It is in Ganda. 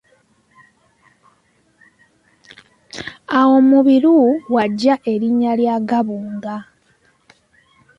Awo Mubiru w'aggya erinnya lya Gabunga.